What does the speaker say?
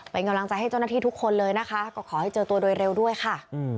เป็นกำลังใจให้เจ้าหน้าที่ทุกคนเลยนะคะก็ขอให้เจอตัวโดยเร็วด้วยค่ะ